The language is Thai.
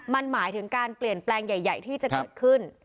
มันหมายถึงการเปลี่ยนแปลงใหญ่ที่จะเกิดขึ้น